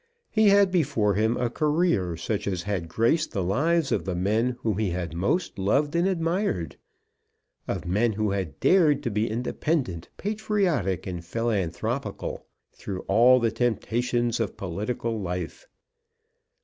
He had before him a career such as had graced the lives of the men whom he had most loved and admired, of men who had dared to be independent, patriotic, and philanthropical, through all the temptations of political life.